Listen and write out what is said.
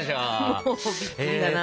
もうびっくりだな。